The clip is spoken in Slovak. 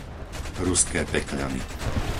Ruské Pekľany